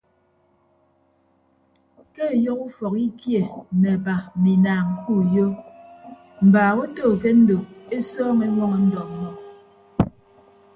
Ke ọyọhọ ufọk ikie mme aba mme inaañ ke uyo mbaak oto ke ndo esọọñọ eñwọñọ ndọ ọmmọ.